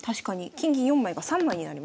金銀４枚が３枚になりましたね。